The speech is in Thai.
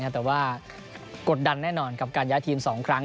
แต่ว่ากดดันแน่นอนกับการย้ายทีม๒ครั้ง